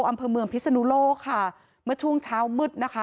อำเพลิงผิดสนุโลกค่ะเมื่อช่วงเช้ามืดนะคะ